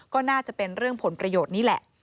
ก็น่าจะเป็นเรื่องผลประโยชน์นี่แหละ